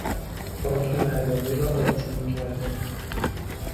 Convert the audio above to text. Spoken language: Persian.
خاک معدنی را آبشویی کردن